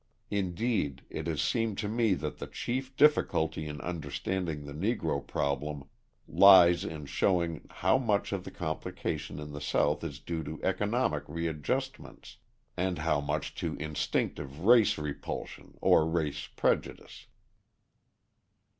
Indeed, it has seemed to me that the chief difficulty in understanding the Negro problem lies in showing how much of the complication in the South is due to economic readjustments and how much to instinctive race repulsion or race prejudice.